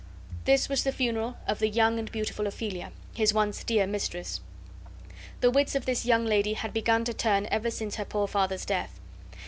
This was the funeral of the young and beautiful Ophelia, his once dear mistress. The wits of this young lady had begun to turn ever since her poor father's death.